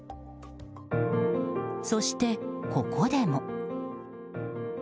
そして、ここでも。